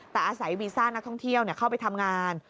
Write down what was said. แต่อาศัยวีซ่านักท่องเที่ยวเข้าไปทำงาน